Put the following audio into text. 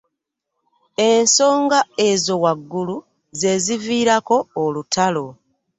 Ensonga ezo waggulu ze zaviirako olutalo.